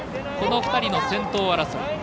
この２人の先頭争い。